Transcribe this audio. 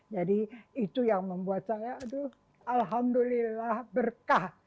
jadi itu yang membuat saya aduh alhamdulillah berkah